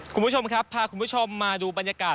คุณผู้ชมครับพาคุณผู้ชมมาดูบรรยากาศ